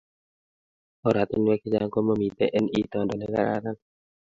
Oratunwek che chang komamiten en itondo nekararan